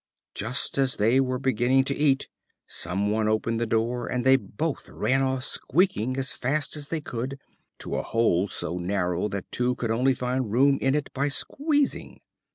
Just as they were beginning to eat, some one opened the door, and they both ran off squeaking, as fast as they could, to a hole so narrow that two could only find room in it by squeezing.